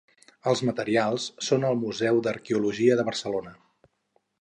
Els materials són al Museu d'Arqueologia de Barcelona.